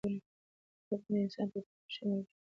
کتابونه د انسان تر ټولو ښه ملګري دي.